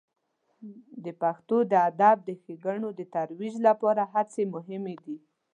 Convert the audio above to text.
د پښتو د ادب د ښیګڼو د ترویج لپاره هڅې مهمې دي.